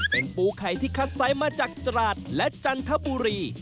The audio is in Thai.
เป็นปูไข่ที่คัดไซส์มาจากตราดและจันทบุรี